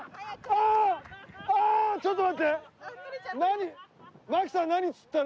ちょっと待って。